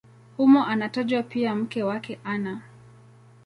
Humo anatajwa pia mke wake Ana.